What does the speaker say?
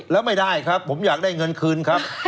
แล้วไม่ได้ครับผมอยากได้เงินคืนครับ